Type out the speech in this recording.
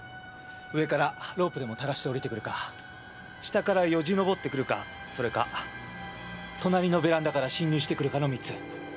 上からロープでも垂らして下りてくるか下からよじ登ってくるかそれか隣のベランダから侵入してくるかの３つ。